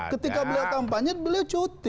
ketika beliau kampanye beliau cuti